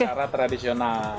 arak bali secara tradisional